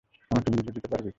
আমাকে বুঝিয়ে দিতে পারবি?